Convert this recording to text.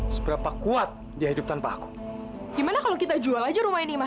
sampai jumpa di video selanjutnya